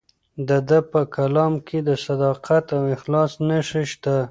د ده په کلام کې د صداقت او اخلاص نښې شته.